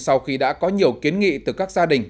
sau khi đã có nhiều kiến nghị từ các gia đình